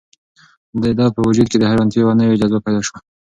د ده په وجود کې د حیرانتیا یوه نوې جذبه پیدا شوه.